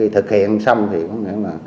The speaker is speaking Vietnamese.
thực hiện xong thì có nghĩa là